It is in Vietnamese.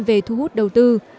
về thu hút đầu tư